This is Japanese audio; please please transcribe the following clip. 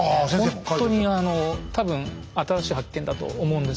ほんとにあの多分新しい発見だと思うんですけど。